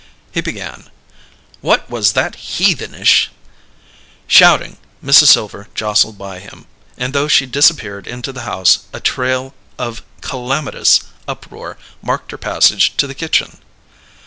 He began: "What was that heathenish " Shouting, Mrs. Silver jostled by him, and, though she disappeared into the house, a trail of calamitous uproar marked her passage to the kitchen.